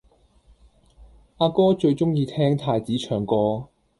阿哥最鍾意聽太子唱歌